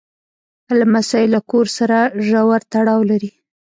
لمسی له کور سره ژور تړاو لري.